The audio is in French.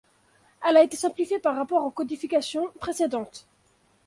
Elle a été simplifiée par rapport aux codifications précédentes.